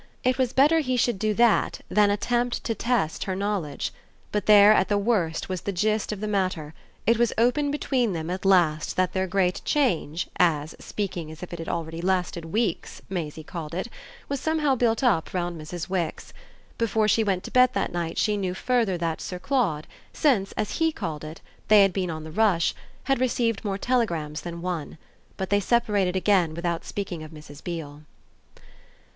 It was better he should do that than attempt to test her knowledge; but there at the worst was the gist of the matter: it was open between them at last that their great change, as, speaking as if it had already lasted weeks, Maisie called it, was somehow built up round Mrs. Wix. Before she went to bed that night she knew further that Sir Claude, since, as HE called it, they had been on the rush, had received more telegrams than one. But they separated again without speaking of Mrs. Beale.